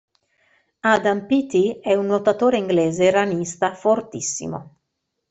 Adam Peaty è un nuotatore inglese ranista fortissimo.